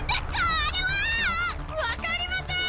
あれは分かりません！